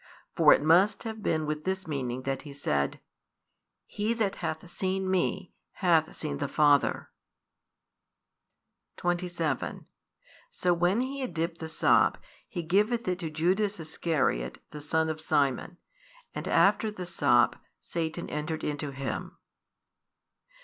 For it must have been with this meaning that He said: He that hath seen Me hath seen the Father. 27 So when He had dipped the sop, He giveth it to Judas Iscariot, the son of Simon. And after the sop, Satan entered into him.